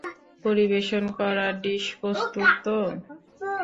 পরিবেশন করার ডিস প্রস্তুত তো?